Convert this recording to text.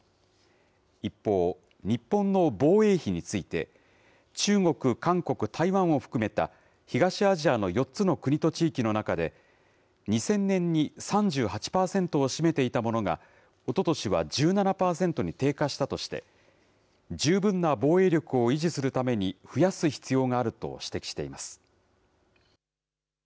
一方、日本の防衛費について、中国、韓国、台湾を含めた東アジアの４つの国と地域の中で、２０００年に３８％を占めていたものが、おととしは１７％に低下したとして、十分な防衛力を維持するために増やす必要があると指摘しています。